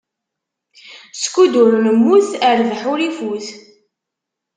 Skud ur nemmut, rrbeḥ ur ifut.